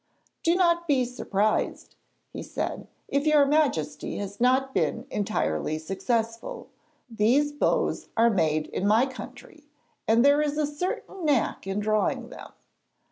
'Do not be surprised,' he said, 'if your Majesty has not been entirely successful. These bows are made in my country, and there is a certain knack in drawing them.